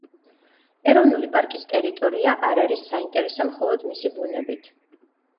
ეროვნული პარკის ტერიტორია არ არის საინტერესო მხოლოდ მისი ბუნებით.